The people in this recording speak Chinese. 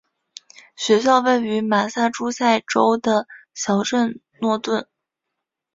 学校位于马萨诸塞州的小镇诺顿。